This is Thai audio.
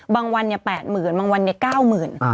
บางวันเนี่ย๘๐๐๐๐บางวันเนี่ย๙๐๐๐๐